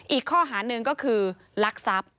อีกข้อหาหนึ่งก็คือลักทรัพย์